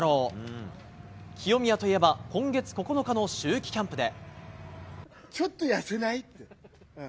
清宮といえば今月９日の秋季キャンプで。